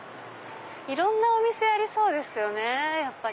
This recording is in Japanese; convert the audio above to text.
いろんなお店ありそうですよねやっぱり。